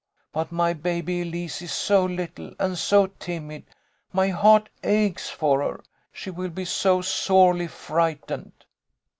But my baby Elise is so little and so timid, my heart aches for her. She will be so sorely frightened."